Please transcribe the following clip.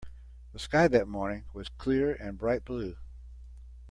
The sky that morning was clear and bright blue.